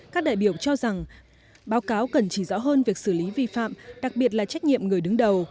các đại biểu cho rằng báo cáo cần chỉ rõ hơn việc xử lý vi phạm đặc biệt là trách nhiệm người đứng đầu